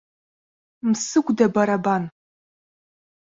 Мсыгәда, бара бан.